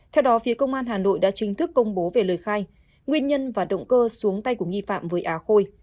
theo đó phía công an hà nội đã chính thức công bố về lời khai nguyên nhân và động cơ xuống tay của nghi phạm với á khôi